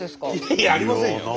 いやいやありませんよ。